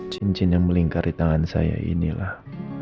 cincin yang melingkari tangan saya inilah